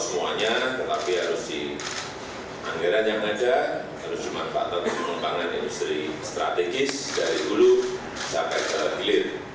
semuanya tetapi harus dianggaran yang ada harus dimanfaatkan untuk membangun industri strategis dari dulu sampai ke hilir